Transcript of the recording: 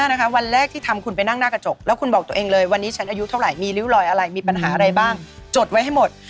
วันแรกที่ทำคุณไปนั่งหน้ากระจกแล้วคุณบอกตัวเองเลยวันนี้ฉันอายุเท่าไหร่มีริ้วรอยอะไรมีปัญหาอะไรบ้างจดไว้ให้หมด